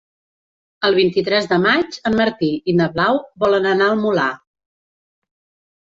El vint-i-tres de maig en Martí i na Blau volen anar al Molar.